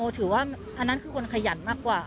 ถือว่าอันนั้นคือคนขยันมากกว่า